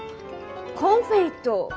コンフェイト。